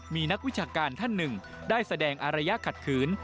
มีนักวิชาการท่านหนึ่งได้แสดงอารยะขัดขืน